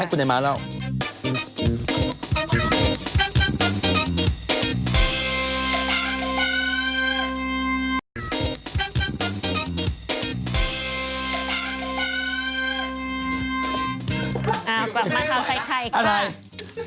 เออกลับมาเข้าใครค่ะ